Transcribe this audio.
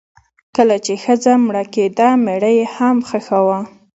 کله چې ښځه مړه کیده میړه یې هم خښاوه.